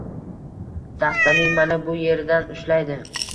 Dastaning mana bu yeridan ushlaydi.